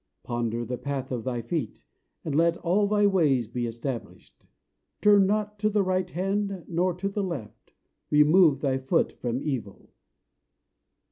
Ponder the path of thy feet, and let all thy ways be established. Turn not to the right hand nor to the left: remove thy foot from evil.